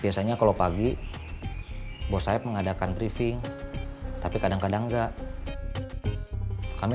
biasanya kalau pagi bos sayap mengadakan briefing tapi kadang kadang enggak kami